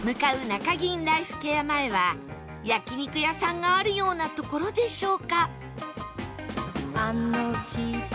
中銀ライフケア前は焼肉屋さんがあるような所でしょうか？